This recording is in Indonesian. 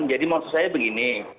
jadi maksud saya begini